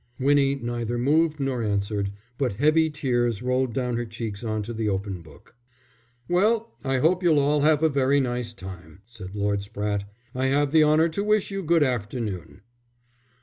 Winnie neither moved nor answered, but heavy tears rolled down her cheeks on to the open book. "Well, I hope you'll all have a very nice time," said Lord Spratte. "I have the honour to wish you good afternoon."